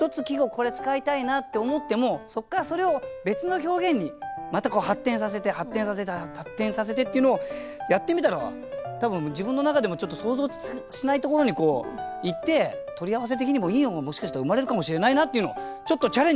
これ使いたいなって思ってもそっからそれを別の表現にまた発展させて発展させて発展させてっていうのをやってみたら多分自分の中でもちょっと想像しないところにいって取り合わせ的にもいいものがもしかしたら生まれるかもしれないなっていうのをちょっとチャレンジしてみようという。